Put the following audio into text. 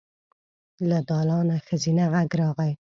له دالانه ښځينه غږ راغی.